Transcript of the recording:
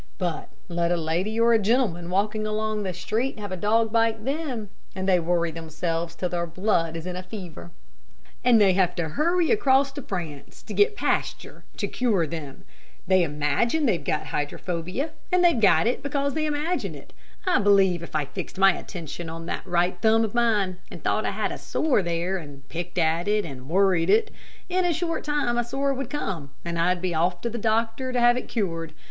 But let a lady or a gentleman walking along the street have a dog bite them, and they worry themselves till their blood is in a fever, and they have to hurry across to France to get Pasteur to cure them. They imagine they've got hydrophobia, and they've got it because they imagine it. I believe if I fixed my attention on that right thumb of mine, and thought I had a sore there, and picked at it and worried it, in a short time a sore would come, and I'd be off to the doctor to have it cured.